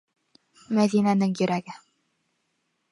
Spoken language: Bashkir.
Мәҙинәнең йөрәге!